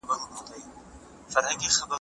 هر چا خپل سیاسي لوری په خپله خوښه ټاکلی سو.